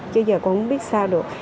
chứ giờ cũng không biết sao được